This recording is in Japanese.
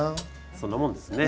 そんなもんですね。